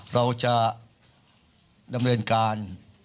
เราจะดำเนินการ